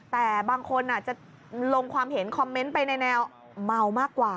แต่บางคนจะลงความเห็นคอมเมนต์ไปในแนวเมามากกว่า